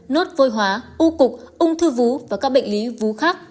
nốt vô hóa u cục ung thư vú và các bệnh lý vú khác